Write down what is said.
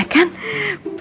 apa sekarang dia mau ucapin